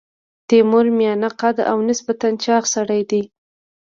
تیمور میانه قده او نسبتا چاغ سړی دی.